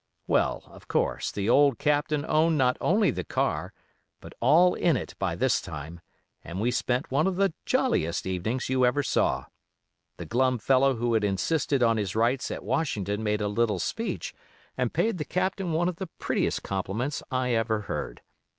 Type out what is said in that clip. Well, of course, the old Captain owned not only the car, but all in it by this time, and we spent one of the jolliest evenings you ever saw. The glum fellow who had insisted on his rights at Washington made a little speech, and paid the Captain one of the prettiest compliments I ever heard.